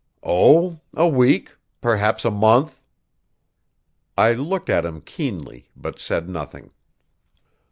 "Oh, a week perhaps a month." I looked at him keenly, but said nothing.